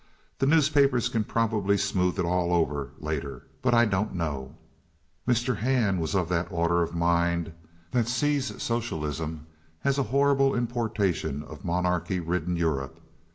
The newspapers can probably smooth it all over later. But I don't know." Mr. Hand was of that order of mind that sees socialism as a horrible importation of monarchy ridden Europe.